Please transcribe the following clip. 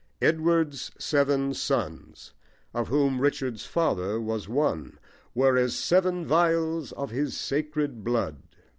"Edward's seven sons," of whom Richard's father was one, Were as seven phials of his sacred blood.